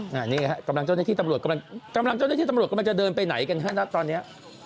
นี่ค่ะกำลังเจ้าหน้าที่ตำรวจกำลังจะเดินไปไหนกันครับตอนนี้